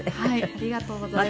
ありがとうございます。